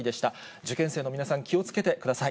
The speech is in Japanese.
受験生の皆さん、気をつけてください。